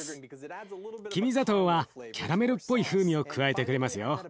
きび砂糖はキャラメルっぽい風味を加えてくれますよ。